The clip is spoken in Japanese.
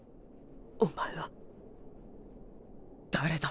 お前は誰だ？